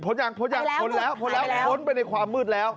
พ้นยังพ้นแล้วพ้นไปในความมืดแล้ว